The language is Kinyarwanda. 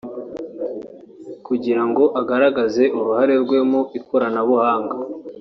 kugira ngo agaragaze uruhare rwe mu ikoranabuhanga